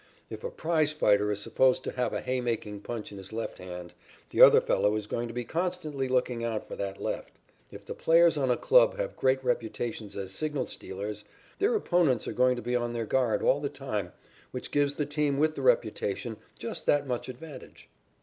If a prizefighter is supposed to have a haymaking punch in his left hand, the other fellow is going to be constantly looking out for that left. If the players on a club have great reputations as signal stealers, their opponents are going to be on their guard all the time, which gives the team with the reputation just that much advantage.